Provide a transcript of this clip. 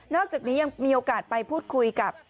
อกจากนี้ยังมีโอกาสไปพูดคุยกับ